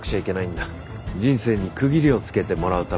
人生に区切りをつけてもらうために。